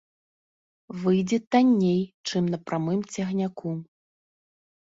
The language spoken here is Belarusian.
Выйдзе танней, чым на прамым цягніку.